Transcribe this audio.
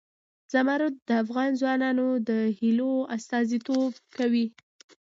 زمرد د افغان ځوانانو د هیلو استازیتوب کوي.